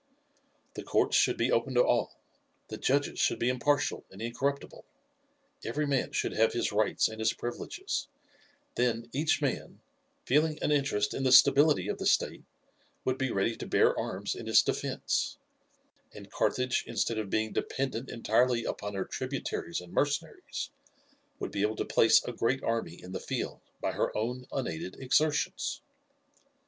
"The courts should be open to all, the judges should be impartial and incorruptible; every man should have his rights and his privileges, then each man, feeling an interest in the stability of the state, would be ready to bear arms in its defence, and Carthage, instead of being dependent entirely upon her tributaries and mercenaries, would be able to place a great army in the field by her own unaided exertions.